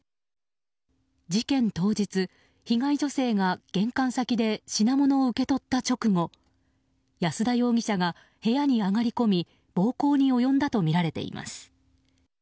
事件当日、被害女性が玄関先で品物を受け取った直後安田容疑者が部屋に上がり込み暴行に及んだとみられています。